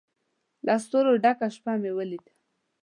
له ستورو ډکه شپه مې ولیده